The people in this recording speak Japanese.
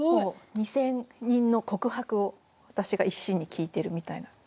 ２，０００人の告白を私が一身に聞いてるみたいな気持ちがします。